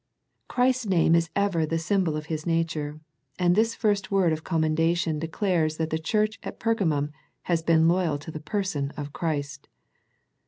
Christ's name is ever the symbol of His nature, and this first word of com mendation declares that the church at Perga mum has been loyal to the Person of Christ.